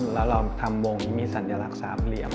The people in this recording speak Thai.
แล้วเราทำวงมีสัญลักษณ์สามเหลี่ยม